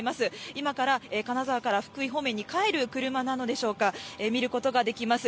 今から金沢から福井方面に帰る車なのでしょうか、見ることができます。